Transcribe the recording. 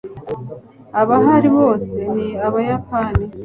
abahari bose ni abayapani